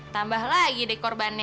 tambah lagi deh korbannya